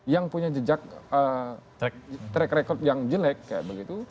yang punya jejak track record yang jelek